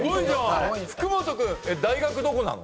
福本君大学どこなの？